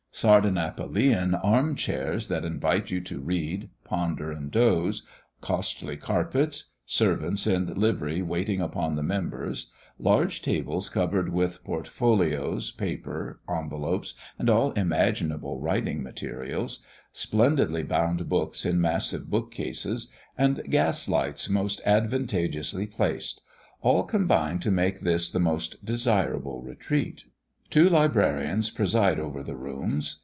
Sardanapalian arm chairs that invite you to read, ponder, and doze; costly carpets; servants in livery waiting upon the Members; large tables covered with portfolios, paper, envelopes, and all imaginable writing materials; splendidly bound books in massive book cases; and gas lights most advantageously placed all combine to make this the most desirable retreat. Two librarians preside over the rooms.